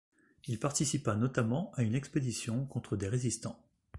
Il participa notamment à une expédition contre des résistants.